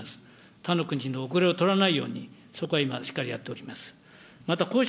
他の国に後れを取らないように、そこは今、しっかりやっております。